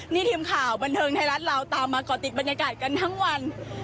นี่ทีมข่าวบันเทิงไทยรัฐเราตามมาก่อติดบรรยากาศกันทั้งวัน